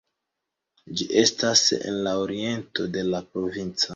Ĝi estas en la oriento de la provinco.